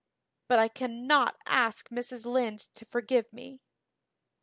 But I cannot ask Mrs. Lynde to forgive me."